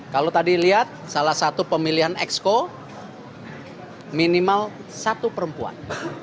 kalau tadi lihat salah satu pemilihan exco minimal satu perempuan